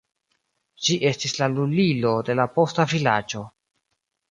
Ĝi estis la lulilo de la posta vilaĝo.